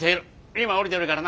今降りてるからな。